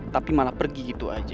tapi malah pergi gitu aja